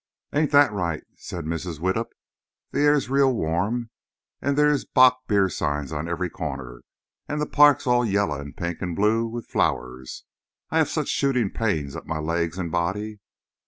"Ain't that right?" said Mrs. Widdup. "The air's real warm. And there's bock beer signs on every corner. And the park's all yaller and pink and blue with flowers; and I have such shooting pains up my legs and body."